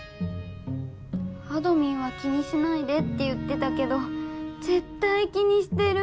あどミンは気にしないでって言ってたけどぜったい気にしてる！